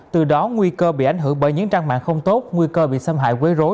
từ đó nguy cơ bị ảnh hưởng bởi những trang mạng không tốt nguy cơ bị xâm hại quấy rối